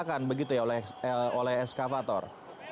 kecelakaan begitu ya oleh eskavator